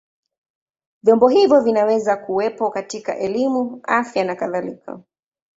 Vyombo hivyo vinaweza kuwepo katika elimu, afya na kadhalika.